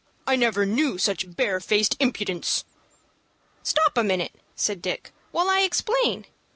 I never knew such barefaced impudence." "Stop a minute," said Dick, "while I explain.